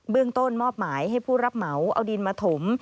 ต้นมอบหมายให้ผู้รับเหมาเอาดินมาถม